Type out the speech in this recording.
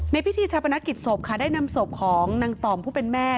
พิธีชาปนกิจศพค่ะได้นำศพของนางต่อมผู้เป็นแม่